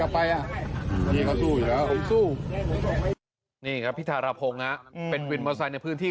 พี่ทารพงศ์เป็นวินมอเตอร์ไซร์ในพื้นที่